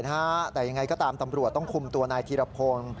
แต่ยังไงก็ตามตำรวจต้องคุมตัวนายธีรพงศ์